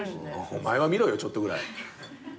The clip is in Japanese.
お前は見ろよちょっとぐらい。